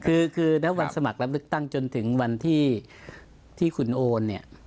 คือคือแล้ววันสมัครรับลึกตั้งจนถึงวันที่ที่คุณโอนเนี้ย